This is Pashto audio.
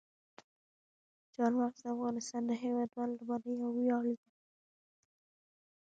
چار مغز د افغانستان د هیوادوالو لپاره یو ویاړ دی.